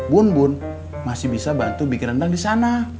bun bun masih bisa bantu bikin rendang disana